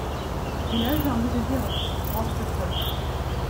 Et là j’ai envie de dire : grosse teuf.